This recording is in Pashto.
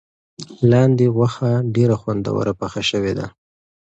لاندي غوښه ډېره خوندوره پخه شوې ده.